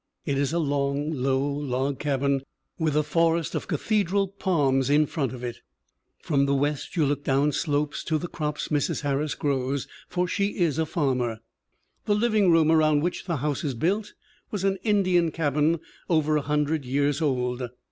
It is a long, low log cabin with a forest of cathedral palms in front of it. From the west you look down slopes to the crops Mrs. Harris grows, for she is a farmer. The living room around which the house is built was an Indian cabin over a hundred years old.